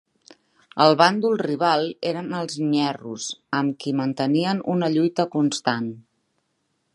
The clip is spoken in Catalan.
El bàndol rival eren els nyerros, amb qui mantenien una lluita constant.